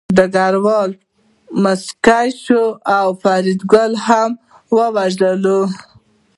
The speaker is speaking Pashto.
ډګروال موسک شو او فریدګل لا هم ژړل